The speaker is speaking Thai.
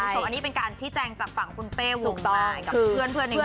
ส่วนอันนี้เป็นการชี้แจงจากฝั่งคุณเป้วงตอนกับเพื่อนในวง